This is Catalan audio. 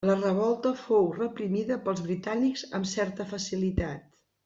La revolta fou reprimida pels britànics amb certa facilitat.